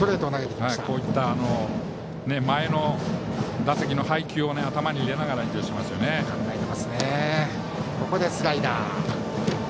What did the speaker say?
こういった前の打席の配球を頭に入れながらですね。